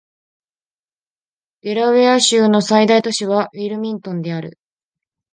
デラウェア州の最大都市はウィルミントンである